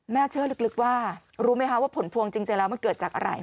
เชื่อลึกว่ารู้ไหมคะว่าผลพวงจริงแล้วมันเกิดจากอะไร